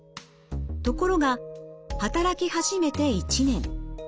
ところが働き始めて１年。